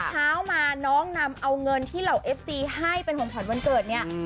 เช้ามาน้องนำเอาเงินที่เหล่าเอฟซีให้เป็นของขวัญวันเกิดเนี่ย